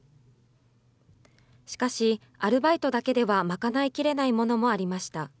しかし、アルバイトだけでは賄いきれないものもありました。